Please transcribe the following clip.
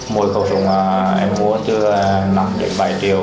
mỗi khẩu súng em mua từ năm bảy triệu